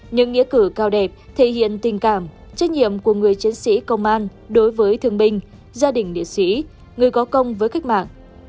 những nghĩa cử cao đẹp thể hiện tình cảm trách nhiệm của người chiến sĩ công an đối với thương binh gia đình liệt sĩ người có công với cách mạng